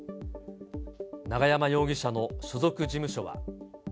永山容疑者の所属事務所は。